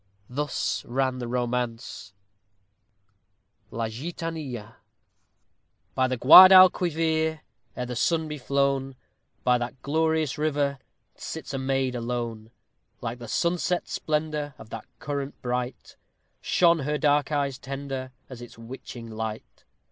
Thus ran the romance: LA GITANILLA By the Guadalquivir, Ere the sun be flown, By that glorious river Sits a maid alone. Like the sunset splendor Of that current bright, Shone her dark eyes tender As its witching light.